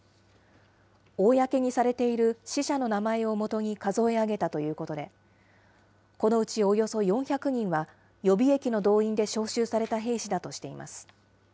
公にされている死者の名前をもとに数え上げたということで、このうちおよそ４００人は、予備役の動員で招集された兵士だとしています。